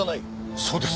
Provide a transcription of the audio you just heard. そうです！